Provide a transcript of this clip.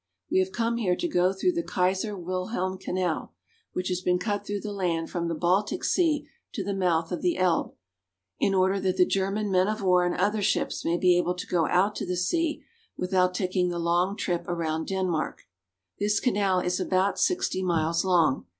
We have come here to go through the Kaiser Wilhelm Canal, which has been cut through the land from the Baltic Sea to the mouth of the Elbe, in order that the German men of war and other ships may be able to go out to the sea without taking the long trip around Den mark. This canal is about sixty miles long.